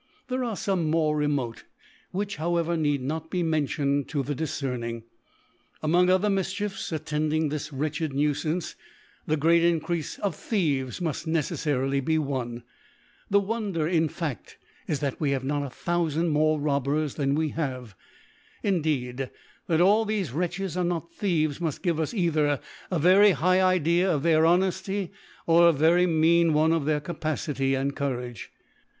There are feme more remote, which, however, need not be mentioned to the Difcerning. Among other Mifi:hiefs attending this wretched Nuifance, the great Increafe of Thieves muft ncceflarily be one. The Won der in fadt is, that we have not a thoufand more Robbers than we have 5 indeed, that all thefe Wretches are not Thieves, muft give us either a very high Idea of their Honefty, or a very mean one of their Ca pacity and Courage.